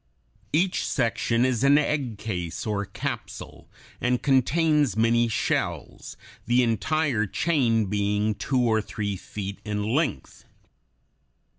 Each section is an egg case, or capsule, and contains many shells, the entire chain being two or three feet in length.